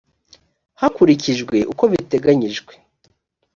hakurikijwe uko biteganyijwe